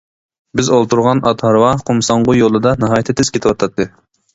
بىز ئولتۇرغان ئات-ھارۋا قۇمساڭغۇ يولدا ناھايىتى تېز كېتىۋاتاتتى.